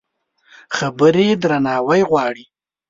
خبرې درناوی غواړي.